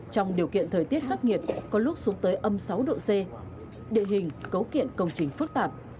trong điều kiện thời tiết khắc nghiệt có lúc xuống tới âm sáu độ c địa hình cấu kiện công trình phức tạp